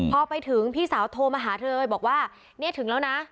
พอไปถึงพี่สาวโทรมาหาเธอเลยบอกว่าเนี่ยถึงแล้วนะ